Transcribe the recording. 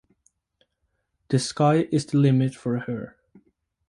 The sky is the limit for her.